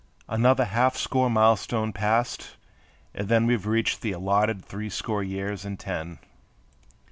Another half score milestone passed, and then We've reached the allotted three score years and ten.